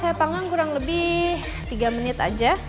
saya panggang kurang lebih tiga menit aja